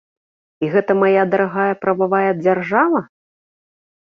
І гэта мая дарагая прававая дзяржава?